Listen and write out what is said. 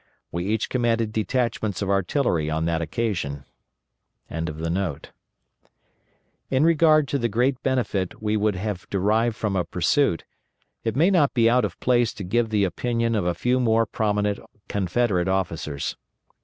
We each commanded detachments of artillery on that occasion.] In regard to the great benefit we would have derived from a pursuit, it may not be out of place to give the opinion of a few more prominent Confederate officers.